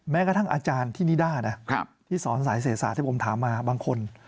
แม้กระทั่งอาจารย์ที่นิด้านะที่สอนสายเสศาสตร์ที่ผมถามมาบางคน